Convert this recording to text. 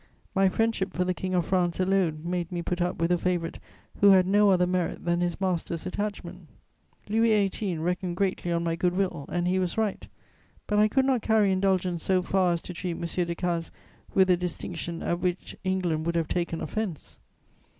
My friendship for the King of France alone made me put up with a favourite who had no other merit than his master's attachment. Louis XVIII. reckoned greatly on my good will, and he was right; but I could not carry indulgence so far as to treat M. Decazes with a distinction at which England would have taken offense.